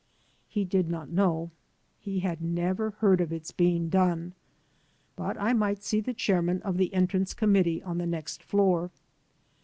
He did not know. He had never heard of its being done. But I might see the chairman of the Entrance Committee on the next floor.